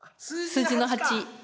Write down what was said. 数字の８か。